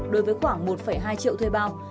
đối với khoảng một hai triệu thuê bao